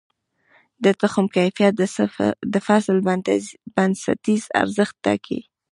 د تخم کیفیت د فصل بنسټیز ارزښت ټاکي.